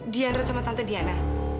dianra sama tante diana